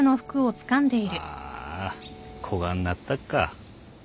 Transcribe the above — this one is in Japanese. あーあこがんなったっか。